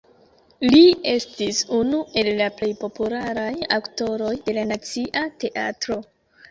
Li estis unu el la plej popularaj aktoroj de la Nacia Teatro.